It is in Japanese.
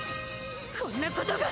こんなことが。